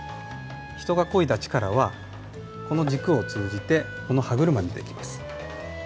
人がこいだ力はこの軸を通じてこの歯車に出てきます。